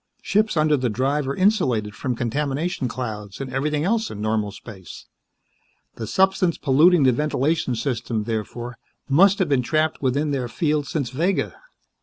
Ships under the Drive are insulated from contamination clouds and everything else in normal space. The substance polluting the ventilation system, therefore, must have been trapped within their field since Vega.